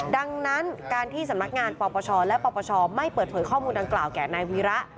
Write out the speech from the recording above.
ดังนั้นการที่สำนักงานปปชและปปชไม่เปิดเผยข้อมูลดังกล่าวแก่นายวีระ